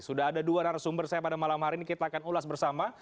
sudah ada dua narasumber saya pada malam hari ini kita akan ulas bersama